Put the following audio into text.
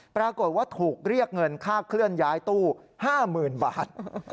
ปรากฏว่าถูกเรียกเงินค่าเคลื่อนย้ายตู้๕๐๐๐บาท